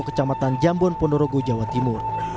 kecamatan jambon ponorogo jawa timur